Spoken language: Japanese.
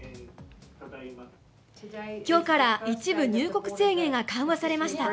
きょうから一部入国制限が緩和されました。